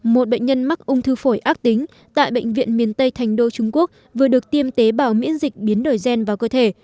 một bệnh nhân mắc ung thư phổi ác tính tại bệnh viện miền tây thành đô trung quốc vừa được tiêm tế bào miễn dịch biến đổi gen vào cơ thể